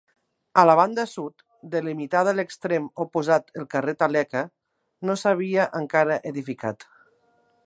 A la banda sud, delimitada a l'extrem oposat el carrer Taleca, no s'havia encara edificat.